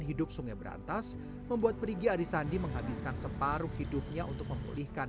hidup sungai berantas membuat perigi arisandi menghabiskan separuh hidupnya untuk memulihkan